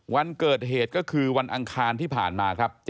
วันเกิดเหตุก็คือวันอังคารที่ผ่านมาครับ